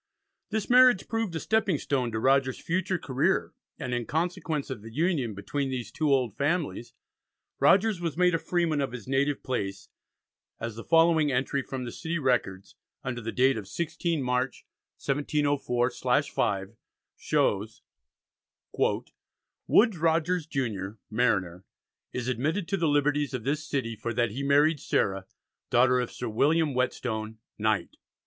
This marriage proved a stepping stone to Rogers's future career, and in consequence of the union between these two old families Rogers was made a freeman of his native place, as the following entry from the city records, under the date of 16th March, 1704/5, shows: "Woodes Rogers junior, Mariner, is admitted to the liberties of this city for that he married Sarah, daughter of Sir William Whettstone, knight."